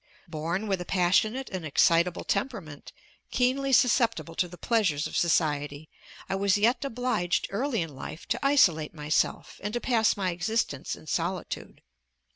Born with a passionate and excitable temperament, keenly susceptible to the pleasures of society, I was yet obliged early in life to isolate myself, and to pass my existence in solitude.